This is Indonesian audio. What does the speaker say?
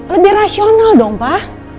lebih rasional dong pak